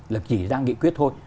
là chỉ ra nghị quyết thôi